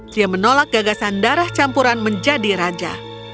dia menolak gagasan darah campuran menjadi raja